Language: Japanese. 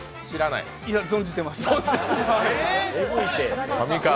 いや、存じてます。